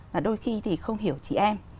và đôi khi thì không hiểu chị em